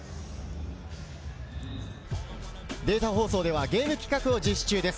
データ放送ではゲーム企画を実施中です。